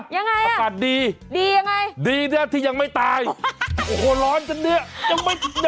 ยังไงน่ะดียังไงดีที่ยังไม่ตายโอ้โหร้อนจังเนี่ย